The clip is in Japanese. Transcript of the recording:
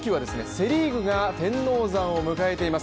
セ・リーグが天王山を迎えています。